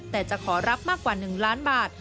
แต่จะขอรับมากกว่า๑ล้านบาท